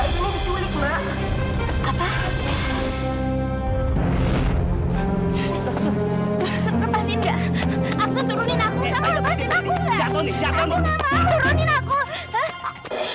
sampai jumpa di video selanjutnya